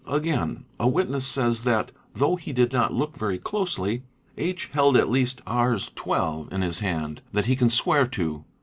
Again a witness says that, though he did not look very closely, H. held at least Rs. 12 in his hand; that he can swear to.